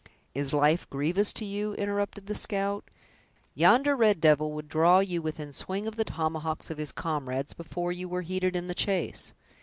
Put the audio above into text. "Is life grievous to you?" interrupted the scout. "Yonder red devil would draw you within swing of the tomahawks of his comrades, before you were heated in the chase.